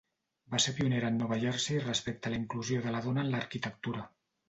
Va ser pionera en Nova Jersey respecte a la inclusió de la dona en l'arquitectura.